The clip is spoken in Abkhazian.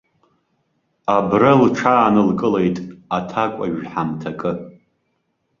Абра лҽаанылкылеит аҭакәажә ҳамҭакы.